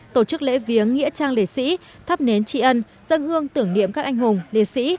tổ chức lễ viếng nghĩa trang liệt sĩ thắp nến trị ân dân hương tưởng niệm các anh hùng liệt sĩ